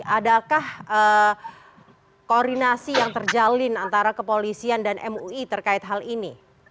adakah koordinasi yang terjalin antara kepolisian dan mui terkait hal ini